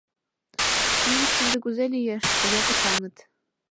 Нунышт ынде кузе лиеш, туге почаҥыт.